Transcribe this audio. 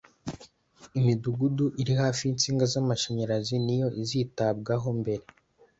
imidugudu iri hafi y'insinga z'amashanyarazi niyo izitabwaho mbere.